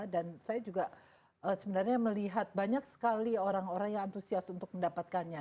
dan saya juga sebenarnya melihat banyak sekali orang orang yang antusias untuk mendapatkannya